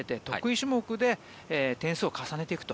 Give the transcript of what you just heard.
種目で点数を重ねていくと。